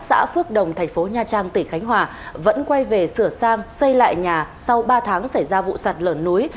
xã phước đồng thành phố nha trang tỉnh khánh hòa vẫn quay về sửa sang xây lại nhà sau ba tháng xảy ra vụ sạt lở núi